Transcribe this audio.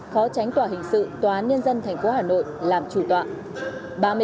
khó tránh tòa hình sự tòa án nhân dân tp hà nội làm trụ tọa